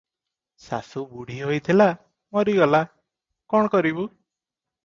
ଶାଶୁ ବୁଢ଼ୀ ହୋଇଥିଲା, ମରିଗଲା, କଣ କରିବୁ?